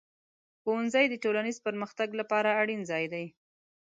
ښوونځی د ټولنیز پرمختګ لپاره اړین ځای دی.